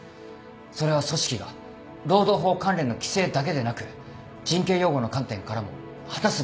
それは組織が労働法関連の規制だけでなく人権擁護の観点からも果たすべき責務です。